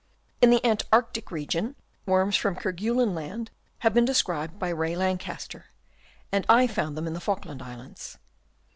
In the Antarctic regions, worms from Kerguelen Land have been described by Ray Lankester; and I found them in the Falkland Islands.